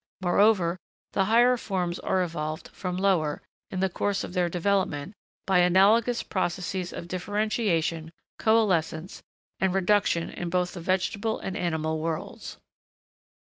Moreover, the higher forms are evolved from lower, in the course of their development, by analogous processes of differentiation, coalescence, and reduction in both the vegetable and the animal worlds.